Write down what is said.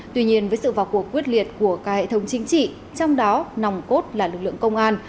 tuy nhiên với sự vào cuộc quyết liệt của cả hệ thống chính trị trong đó nòng cốt là lực lượng công an